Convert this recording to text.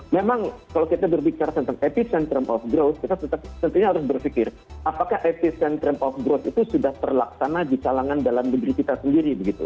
memang kalau kita berbicara tentang epicentrum of growth kita tentunya harus berpikir apakah epicentrum of growth itu sudah terlaksana di kalangan dalam negeri kita sendiri begitu